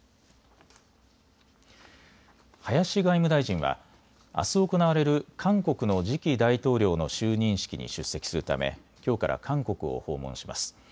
林外務大臣はあす行われる韓国の次期大統領の就任式に出席するためきょうから韓国を訪問します。